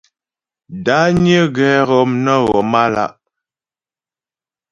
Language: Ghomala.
Dányə́ ghɛ́ghɔm nə ghɔmlá'.